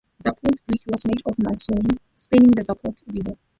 Zapote Bridge was made of masonry, spanning the Zapote River.